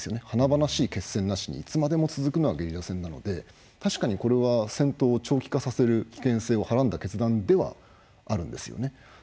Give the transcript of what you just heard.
華々しい決戦なしにいつまでも続くのがゲリラ戦なので確かに、これは戦闘を長期化させる危険性をはらんだ決断ではあるんですよね。